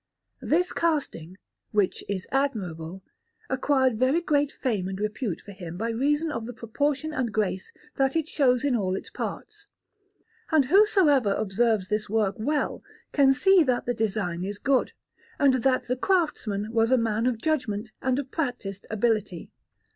This casting, which is admirable, acquired very great fame and repute for him by reason of the proportion and grace that it shows in all its parts; and whosoever observes this work well can see that the design is good, and that the craftsman was a man of judgment and of practised ability.